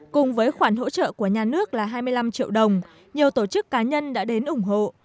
cùng với khoản hỗ trợ của nhà nước là hai mươi năm triệu đồng nhiều tổ chức cá nhân đã đến ủng hộ